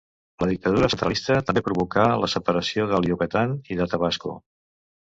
La dictadura centralista també provocà la separació del Yucatán i de Tabasco.